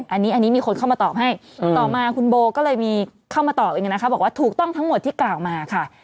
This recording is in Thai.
อันนี้มีคนเข้ามาตอบให้ต่อมาคุณโบก็เลยมีเข้ามาตอบเองนะคะบอกว่าถูกต้องทั้งหมดที่กล่าวมาค่ะ